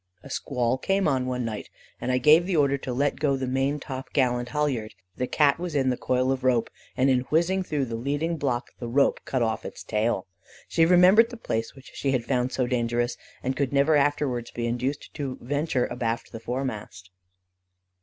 "A squall came on one night, and I gave the order to let go the main top gallant halyard. The Cat was in the coil of rope, and in whizzing through the leading block the rope cut off its tail. She remembered the place which she had found so dangerous, and could never afterwards be induced to venture abaft the foremast.